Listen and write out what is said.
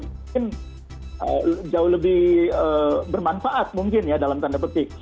mungkin jauh lebih bermanfaat mungkin ya dalam tanda petik